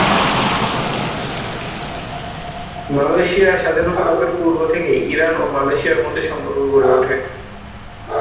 মালয়েশিয়ার স্বাধীনতা লাভের পূর্ব থেকেই ইরান ও মালয়েশিয়ার মধ্যে সম্পর্ক গড়ে ওঠে।